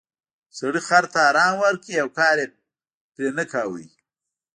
سړي خر ته ارام ورکړ او کار یې پرې نه کاوه.